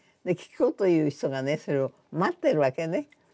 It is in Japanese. で聞こうという人がねそれを待ってるわけね。